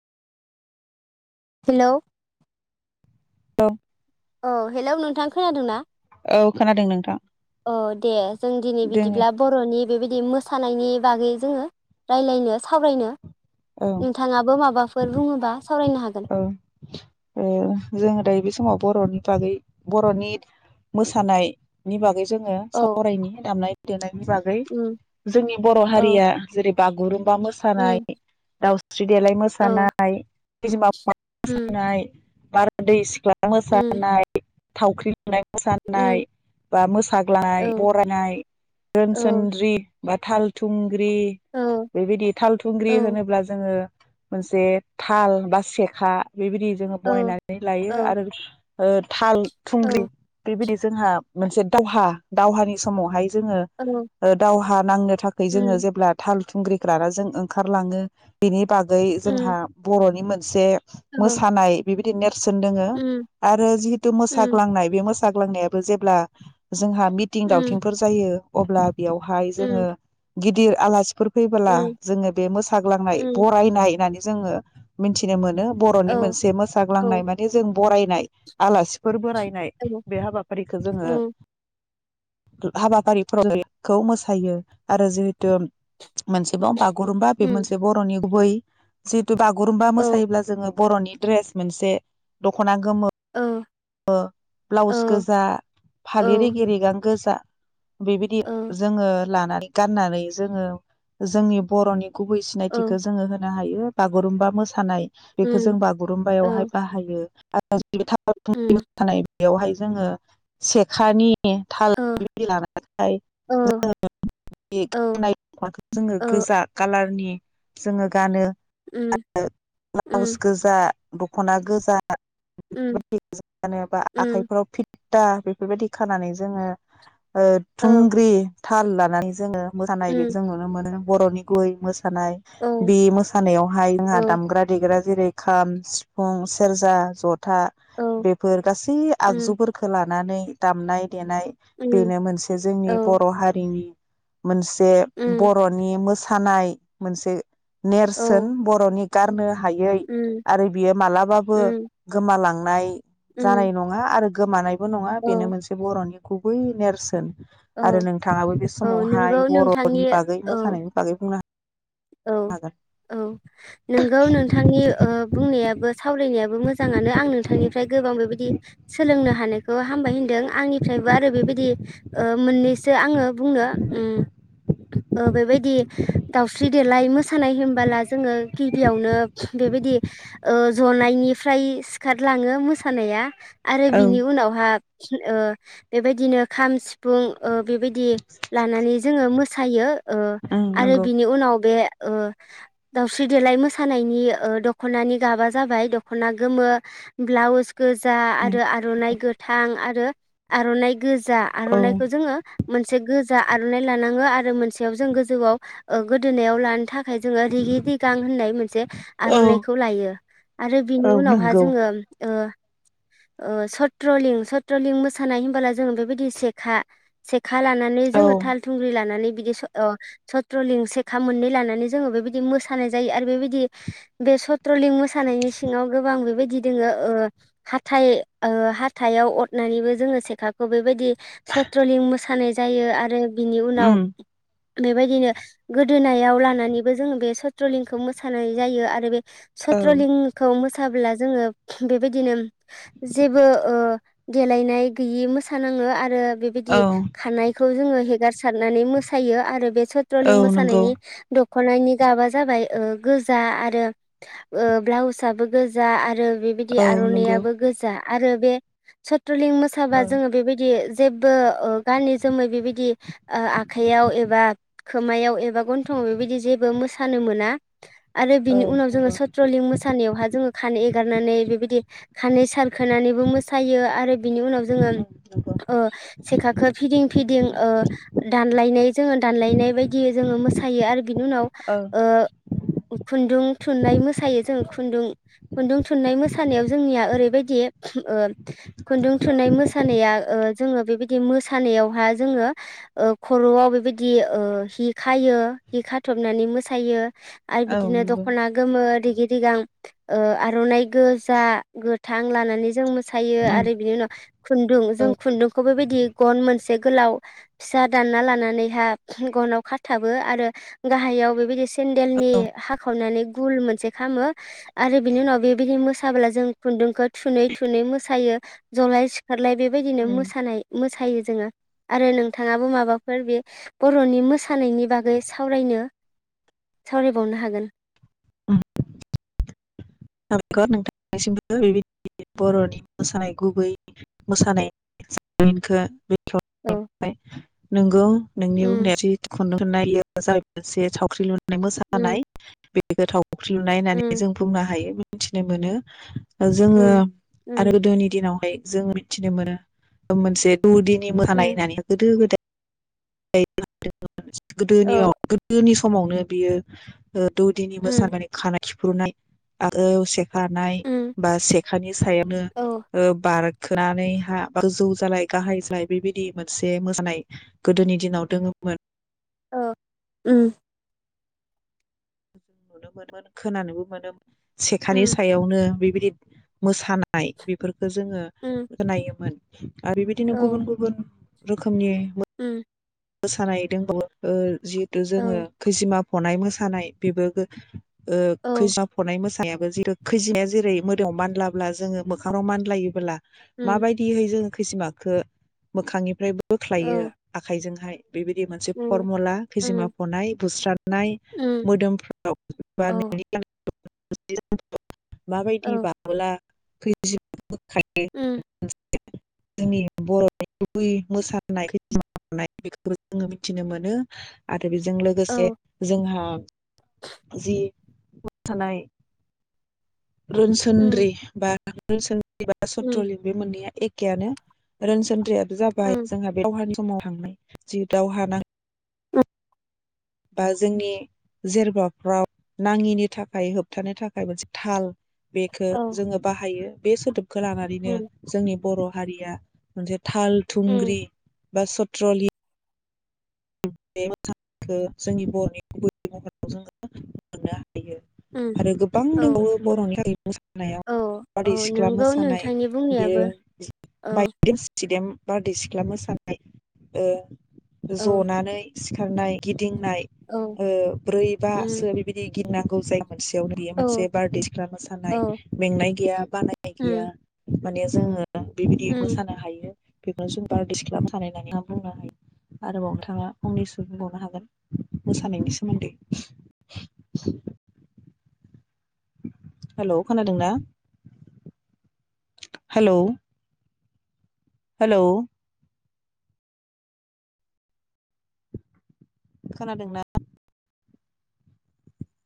Hello अ hello नोंथां खोनादों ना? औ खोनादों नोंथां। अ दे जों दिनै दोङो बिदिब्ला बरनि बेबा दि मोसानायनि बागै जोङो रायलायनो सावरायनो औ नोंथाङाबो माबाफोर बुङोबा सावरायनो हागोन औ ओ जोङो दायो बे समाव बरनि बागै बरनि मोसानायनि बागै जोङो औ सावरायनि दामनाय देनाय नि बागै उम जोंनि बर औ हारिया जेरै बागुरुम बा मोसानाय उम दाउ स्रि देलाय औ मोसानाय उम [unintelligible] [unintelligible] बारदै सिख्ला उम मोसानाय थावख्रि। मोसानाय उम बा औ मोसाग्लांनाय बरायनाय औ रोनसोनद्रि। बा थाल थुं। थुंग्रि औ बेबायदि थाल थुंग्रि औ होनोब्ला जोंङो मोनसे थाल। बा सेखा। बेबायदि जोंङो औ बनायनानै लायो औ आरो ओ थाल थुंग्रि औ बेबायदि जोंहा मोनसे दावहा दावहानि समावहाय। जोंङो औ ओ दावहा नांनो थाखाय जोंङो उम जेब्ला थाल। थुंग्रिखौ लाना जों ओंखारलाङो बेनि बागै जोंहा उम बर'निमोन से औ मोसानाय बिबायदि [inaudible] सोन दोंङो उम आरो जिहुथु उम मोसाग्लांनाय बे मोसा मोसाग्लांनायाबो जेब्ला जोंहा मिथिं उम दावथिंफोर जायो अब्ला बेयावहाय उम जोंङो गिदिर आलासि फोर फैबोला उम जोंङो बे मोसाग्लांनाय उम बरायनाय होननानै जों जोंङो। मिथिनो मोनो। बर'नि औ मोनसे औ मोसाग्लांनाय माने जों बरायनाय आलासिफोर बोराय नाय औ बे हाबाफारिखौ जोंङो उम हाबाफारिफोराव बेखौ मोसायो आरो जिहेथु मोनसेबाव बागुरुम्बा गुरुमबा बे उम मोनसे बरनि गुबै जिहेथु बागै गुरुम्बा औ मोसायोब्ला जोंङो बरनि द्रेस मोनसे दखना गोमो औ ओ ब्लाउस औ गोजा फालि रिगि रिगां गोजा बेबायदि जोंङो लानानै गाननानै जोङो जोंनि बरनि गुबै औ सिनायथिखो जोङो होनो हायो। बेयो बागुरुमबा मोसानाय बेखौ जों उम औ बागुरुमबायावहाय बाहायो [unintelligible] उम बेवहाय जोङो सेखानि ओ औ औ [unintelligible] औ जोङो गानो उम आरो ब्लाउस उम गोजा दखना गोजा [unintelligible] उम उम ता बेफोरबायदि खानानै जोङो ओ औ थुंग्रि थाल लानानै जोङो मोसानाय बेक उम जों नुनो मोनो बरनि गुबै मोस मोसानाय औ बे मोसानायाव हाय औ जोङा दामग्रा दे ग्रा जेरै खाम सिफुं सेरजा जथ था औ बेफोर गासै उम आगजुफोरखौ ला नानै दामनाय देनाय उम बेनो मोनसे औ जोंनि बर हारिनि मोनसे उम बरनि मो सानाय मोनसे ने औ नेरसोन बरनि गारनो हायै उम आरो बियो मालाबाबो उम गोमला- लांनाय जानाय उम नङा आरो गोमानाय बो नङा औ बेनो मोनसे बरनि गुबै नेरसोन आरो औ नोंथाङाबो बे औ नोंगौ समावहाय नोंथांनि बर'नि बागै औ मोसानायनि बागै बुंनो हायो औ औ नोंगौ नोंथांनि बुंनायाबो सावरायनायाबो मोजाङानो आं नोंथांनिफ्राय गोबां बेबायदि सोलोंनो हानायखौ हामबाय होनदों आंनिफ्रायबो आरो बेबायदि मोननै जो आङो बुंनो बेबायदि दाउस -स्रि देलाय मोसानाय होनबोला जोङो गिबियावनो बेबायदि जनायनिफ्राय सिखारलाङो मोसानाया । आरो बिनि औ उनावहा बेबायदिनो खाम सिफुं बेबायदि लानानै जोङो मोसायो ओ आरो आगौ बिनि उनाव बे दाउस्रि देलाय मोसानायनि दख'नानि गाबा जाबाय दख'ना गोमो ब्लाउस गोजा उम आरो आर'नाइ गो थां आरो आर'नाइ गोजा औ आर'नाइखौ जोङो मोनसे गोजा आर'नाइ लानाङो आरो मोनसेयाव जों गोजौआव गोदोनायाव लानो थाखाय जोङो रिगि रिगां होननाय मोनसे औ आर'नाइखौ लायो आरो बिनि औ उनावहा नंगौ जोङो सत्रलिं चत्रलिं मोसानाय होनबाय जोंङ बेबायदि सेखा से खा लानानै औ जोङो थाल थुंग्रि लानानै बिदि स पेट्रलिं सेखा मोननै लानानै जोङो बेबायदि मोसानाय जायो आरो बेबायदि बे ट्रलिं मोसानायनि सिङाव गोबां बेबायदि बिदि दङो हााइ हााइाव अरनानैबो जोङो सेखाखौ बेबायदि सट्रलिं मोसानाय जायो आरो बिनि उनाव उम बेबायदिनो गोदोनायाव लानानैबो जोङो बे चट्रलिंखौ मोसानाय जायो आरो बे औ सत्रलिंखौ मोस मोसाब्ला जोङो बेबायदिनो जेबो ओ देलायनाय गैयि मोसाानाङो आरो आरो बेबायदि औ खानायखौ जोङो हेगार सारनानै मोसायो आरो बे औ ट्रलिं नंगौ मोसानायनि द खनायनि गाबा जाबाय ओ गोजा आरो ब्लाउसाबबो गोजा आरो बेबिदि औ नंगौ आरनायआबो गोजा। आरो बे स ट्रलिं औ मोसाबा जोङो बेबिदि जेबबो ओ गानै जोमै बेबायदि ओ आखाइयाव एबा खोमायाव एबा गन्थंआव बेबायदि जेबो मोसानो मोना। आरो औ बिनि उनाव जोङो नंगौ सत्रलिं मोसानायावहा जोङो खानाय एगारनानै बेबायदि खानै सारखोनानैबो मोसायो आरो बिनि उनाव जोङो उम नंगौ ओ सेखाखो फिदिं फिदिं ओ दानलायनाय जोङो दानलायनाय बायदियै जोङो मोसायो आरो बिनि उनाव औ ओ खुन्दुं थुननाय मोसायो जों खुन्दुं खुन्दुं थुननाय मोसानायाव जोंनिया ओरैबायदि ओ खुन्दुं थुननाय मोसानाया ओ जोङो बेबायदि मोसानायावहा जोङो ओ खरआव बेबायदि बिदि ओ हि खायो हि खाथबनानै मोसायो। आरो औ बिदिनो नंगौ दखना गोमो रिगि रिगां। ओ आरनाइ गोजा गोथां लानानै जों सायो उम आरो बिनि उनाव खुन्दुं जों खुन्दुंखौ बेबायदि गन मोनसे गोलाव फिसा दानना लानानैहा गनाव खाथाबो आरो गाहायाव बेबायदि सेन्देलनि हाखावनानै गुल मोनसे खामो आरो बिनि उनाव बेबायदि मोसाब्ला जों खुन्दुंखौ थुनै थुनै मोसायो जलाय सिख खारलाय बेबायदिनो उम मोसानाय मोसायो जोङो आरो नोंथाङाबो माबाफोर बे बर'नि मोसानायनि बागै सावरायनो सावरायबावनो हागोन। उम [unintelligible] नोंथांनिसिमबो बेबायदि बर'नि मोसानाय गुबै मोसानायखो औ [unintelligible] नोंगौ नोंनि उम बुंनाया [unintelligible] नाय [unintelligible] [unintelligible] मोसानाय उम गोथाव। फख्रि लुनाय होननानै उम जों बुंनो हायो। मिथिनो मोनो ओ जोङो उम आरो उम गोदोनि दिनावहाय जों मिथिनो मोना ओ मोनसे दुदिननि मोसानाय उम होननानै गोदो गोदाय [unintelligible] औ गोदोनियाव गोदोनि सम समावनो बियो दो दौदिनि उम मोसाबोनाय खानाय। खिफ्रुनाय आ औसेख फारनाय उम बा सेखानि सायावनो औ ओ बार खोनानै हा गोजौ जालाय गाहाय जालाय बेबायदि मोनसे मोसानाय गोदोनि दिनाव दङोमोन ओ उम। जों नुनो मोनोमोन खोनानोबो मोनोम सेखानि उम सायावनो बेबायद मोसानाय बेफोरख फोर जोङो उम खोनायोमोन [inaudible] ओ बिबायदिनो औ गुबुन गुबुन। रोखोमनि उम। ओसानाय दोंबावबो ओ जिहेतु जोङो औ खैजिमाफ फनाय मोसानाय बेबो गो ओ औ खैजा फनाय मोसा नायाबो जेरोख खैजिमाया जेरै मोदोमायाव मानलाब्ला जोङो मोखांङाव मानलायोब्ला उम माबायदिहै जों खैसिमाखो मोखांनिफ्राय बोख बोख्लायो औ आखाइजों बेबायदि मोनसे उम फरमुला फिजिमा उम फनाय बुस्रनाय उम मोदोमफ्राव बा औ नोंनि [unintelligible] माबायदि औ बाबोला- खैजिब खायो उम [unintelligible] बेखौबो जोङो मिथिनो मोनो आथ दा बेजों लोगोसे औ जोंहा जि मो सानाय। उम रोनसोन्द्रि बा। [unintelligible] [unintelligible] उम सट्रलिं बे मोननैया एक एकेयानो रोनसोन्द्रिया जाबाय उम जोंहा [unintelligible] समाव थांनाय जि दावहा नां औ बा जोंनि जेरबाफ्राव नाङिनि थाखाय होबथानो थाखाय मोनसे दाहाल बेखौ औ जोङो बाहायो। बे सोदोब खौ लानानैनो उम जोंनि बर' हारिया मोनसे दाहाल उम थुंग्रि बा सट्रलि बे मोसानायखौ जोंनि बर'नि गुबै महराव जोङो मोननो उम [unintelligible] आरो गोबां औ दंबावो बर'नि [unintelligible] मोसानायाव औ औ बारदै सिख्ला नंगौ मोसानाय नोंथांनि बियो बुंनायाबो औ बायदेम सिदेम बारदै सिख्ला मोसानाय ओ औ जनानै सिखारनाय गित दिंनाय औ ओ ब्रै उम बासो बिबायदि [unintelligible] जाय मोनसेयावनो बियो मोनसे औ बारदै सिख्ला मोसानाय औ मेंनाय गैया बानाय गैया उम माने जोङो जों बेबायदि उम मोसानो हायो बेखौ जों बारदैसिख्ला मोसानाय होननानै बुंनो हायो। आरोबाव नोंथाङा फंनैसो बुंबावनो हागोन मोसानायनि सोमोन्दै। हेल' खोनादों ना? हेलौ हेलौ खोनादोंना?